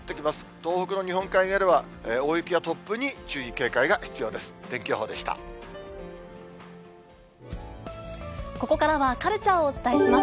東北の日本海側では、大雪や突風に注意、警戒が必要です。